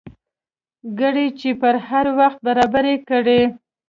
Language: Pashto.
ګړۍ چې پر هر وخت برابر کړې.